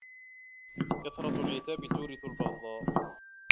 كثرة العتاب تورث البغضاء